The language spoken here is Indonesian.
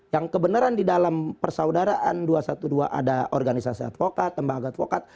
yang kebenaran di dalam persaudaraan dua ratus dua belas ada organisasi advokat lembaga advokat